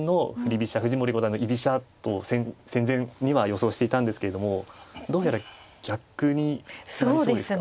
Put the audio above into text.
飛車藤森五段の居飛車と戦前には予想していたんですけれどもどうやら逆になりそうですか。